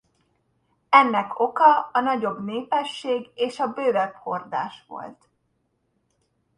Ennek oka a nagyobb népesség és a bővebb hordás volt.